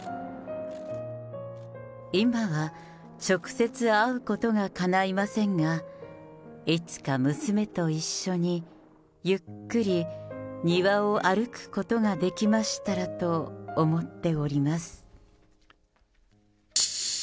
今は直接会うことがかないませんが、いつか娘と一緒に、ゆっくり庭を歩くことができましたらと思っております。